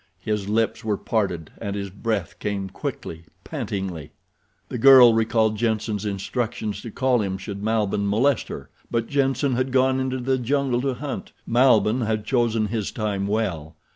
His lips were parted, and his breath came quickly, pantingly. The girl recalled Jenssen's instructions to call him should Malbihn molest her; but Jenssen had gone into the jungle to hunt. Malbihn had chosen his time well.